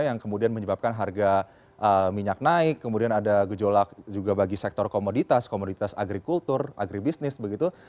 yang kemudian menyebabkan harga minyak naik kemudian ada gejolak juga bagi sektor komoditas komoditas agrikultur agribisnis begitu